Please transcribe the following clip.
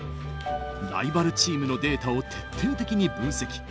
ライバルチームのデータを徹底的に分析。